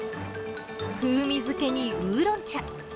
風味付けにウーロン茶。